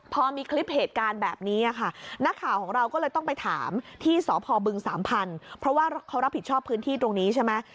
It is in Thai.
พอมีคลิปเหตุการณ์แบบนี้ค่ะนักข่าวของเราก็เลยต้องไปถามที่สพบึงสามพันธุ์เพราะว่าเขารับผิดชอบพื้นที่ตรงนี้ใช่ไหม